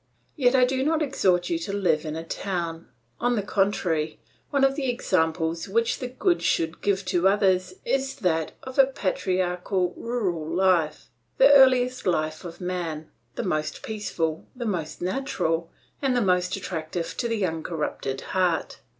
"Yet I do not exhort you to live in a town; on the contrary, one of the examples which the good should give to others is that of a patriarchal, rural life, the earliest life of man, the most peaceful, the most natural, and the most attractive to the uncorrupted heart.